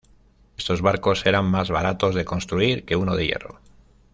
Estos barcos eran más baratos de construir que uno de hierro.